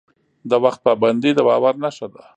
د وخت پابندي د باور نښه ده.